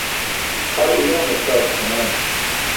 Har oyoonar saajo senaan.